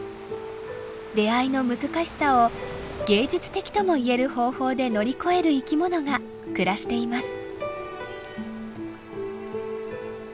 出会いの難しさを芸術的ともいえる方法で乗り越える生きものが暮らしています。